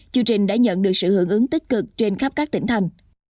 chương trình đã nhận được sự hưởng ứng tích cực trên khắp các tỉnh thành